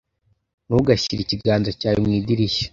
Ntugashyire ikiganza cyawe mu idirishya.